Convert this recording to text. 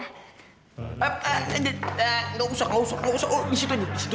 eh eh eh enggak usah enggak usah enggak usah oh di situ di situ